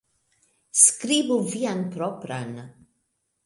Skribu vian propran